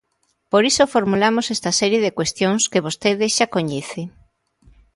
Por iso formulamos esta serie de cuestións que vostede xa coñece.